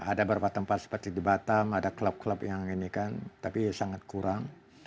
ada beberapa tempat seperti di batam ada klub klub yang ini kan tapi sangat kurang